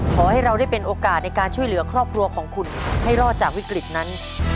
ขอให้เราได้เป็นโอกาสในการช่วยเหลือครอบครัวของคุณให้รอดจากวิกฤตนั้น